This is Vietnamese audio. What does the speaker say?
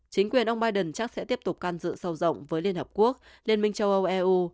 chính quyền ông biden chắc sẽ tiếp tục can dự sâu rộng với liên hợp quốc liên minh châu âu eu